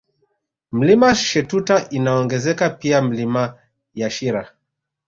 Mlima Shetuta inaongezeka pia Milima ya Shira